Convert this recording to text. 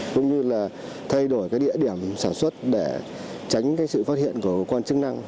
cũng như thay đổi địa điểm sản xuất để tránh sự phát hiện của quan chức năng